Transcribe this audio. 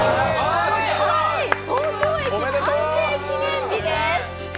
東京駅完成記念日です！